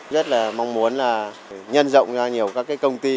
rất là mong muốn là nhân rộng ra nhiều các công ty